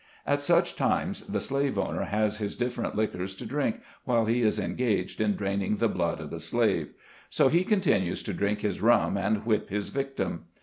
At such times, the slave owner has his dif ferent liquors to drink, while he is engaged in drain ing the blood of the slave. So he continues to drink his rum and whip his victim.